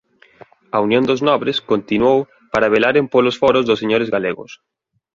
A unión dos nobres continuou para velaren polos foros dos señores galegos.